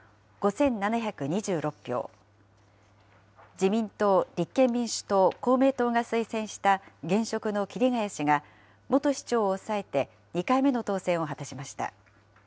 自民党、立憲民主党、公明党が推薦した現職の桐ケ谷氏が、元市長を抑えて、２回目の当選を果たしました。